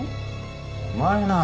お前なあ。